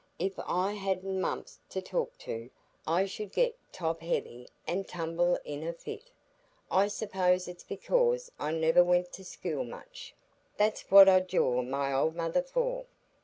If I hadn't Mumps to talk to, I should get top heavy an' tumble in a fit. I suppose it's because I niver went to school much. That's what I jaw my old mother for.